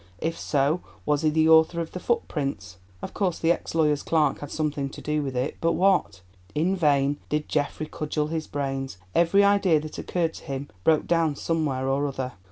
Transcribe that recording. If so, was he the author of the footprints? Of course the ex lawyer's clerk had something to do with it, but what? In vain did Geoffrey cudgel his brains; every idea that occurred to him broke down somewhere or other.